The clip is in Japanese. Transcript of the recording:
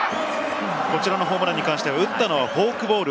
こちらのホームランに関して打ったのはフォークボール。